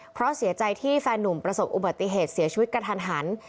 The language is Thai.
เพราะเสียใจที่แฟนหนุ่มประสบอุบัติเหตุเสียชีวิตกระทันหัน